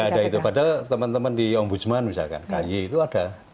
tidak ada itu padahal teman teman di om busman misalkan kayi itu ada